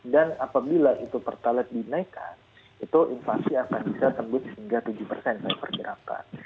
dan apabila itu pertalat dinaikkan itu inflasi akan bisa tembus hingga tujuh persen saya perjelangkan